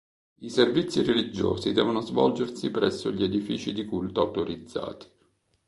I servizi religiosi devono svolgersi presso gli edifici di culto autorizzati.